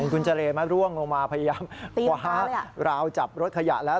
คุณเจรมาร่วงลงมาพยายามคว้าราวจับรถขยะแล้ว